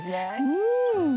うん。